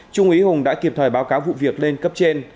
trung ý hùng đã kịp thời báo cáo vụ việc lên cấp trên